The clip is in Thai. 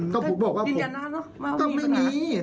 ก็หยุดว่ากูคือโดยไม่มี